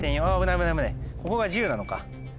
ここが１０なのか。